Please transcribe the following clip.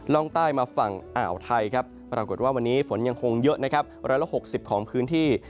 ร่องใต้มาฝั่งอ่าวไทยครับปรากฏว่าวันนี้ฝนยังคงเยอะนะครับ๑๖๐ของพื้นที่